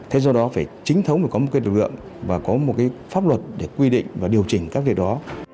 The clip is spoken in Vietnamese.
thế do đó phải chính thống phải có một cái lực lượng và có một cái pháp luật để quy định và điều chỉnh các việc đó